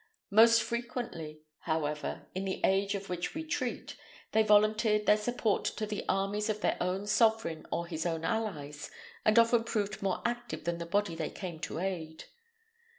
Most frequently, however, in the age of which we treat, they volunteered their support to the armies of their own sovereign or his own allies, and often proved more active than the body they came to aid.